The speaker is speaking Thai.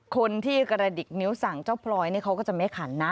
คนที่กระดิกนิ้วสั่งเจ้าพลอยนี่เขาก็จะไม่ขันนะ